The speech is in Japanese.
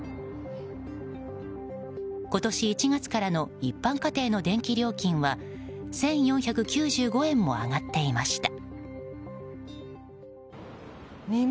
今年１月からの一般家庭の電気料金は１４９５円も上がっていました。